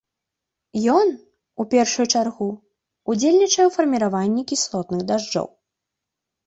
Ён, у першую чаргу, удзельнічае ў фарміраванні кіслотных дажджоў.